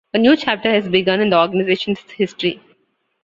A new chapter has begun in the organization's history.